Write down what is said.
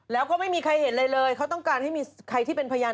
แล้วก็ไม่มีใครเห็นอะไรเลยเขาต้องการให้มีใครที่เป็นพยาน